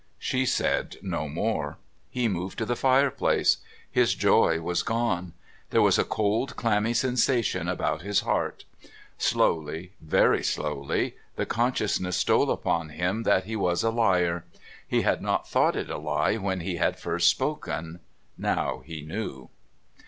She said no more; he moved to the fireplace. His joy was gone. There was a cold clammy sensation about his heart. Slowly, very slowly, the consciousness stole upon him that he was a liar. He had not thought it a lie when he had first spoken, now he knew.